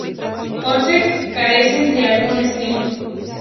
Once carecen de algún estilo.